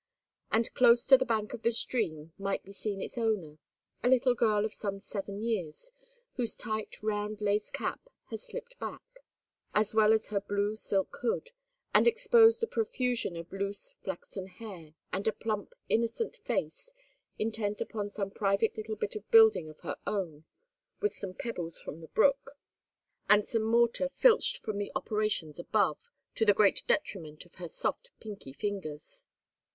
And close to the bank of the stream might be seen its owner, a little girl of some seven years, whose tight round lace cap had slipped back, as well as her blue silk hood, and exposed a profusion of loose flaxen hair, and a plump, innocent face, intent upon some private little bit of building of her own with some pebbles from the brook, and some mortar filched from the operations above, to the great detriment of her soft pinky fingers.